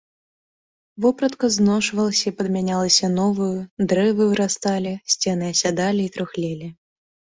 Вопратка зношвалася і падмянялася новаю, дрэвы вырасталі, сцены асядалі і трухлелі.